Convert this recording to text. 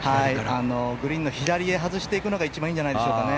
グリーンの左へ外していくのが一番いいんじゃないでしょうかね。